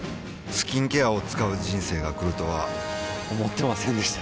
スキンケアを使う人生が来るとは思ってませんでした